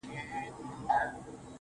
تر مرگه پوري هره شـــپــــــه را روان.